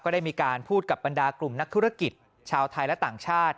ได้มีการพูดกับบรรดากลุ่มนักธุรกิจชาวไทยและต่างชาติ